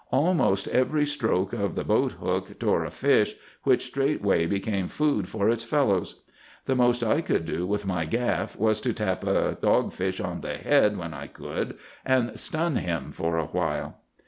Almost every stroke of the boat hook tore a fish, which straightway became food for its fellows. The most I could do with my gaff was to tap a dogfish on the head when I could, and stun him for a while.